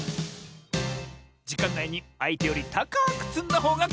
じかんないにあいてよりたかくつんだほうがかちサボよ！